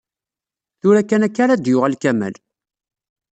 Tura kan akka ara d-yuɣal Kamal.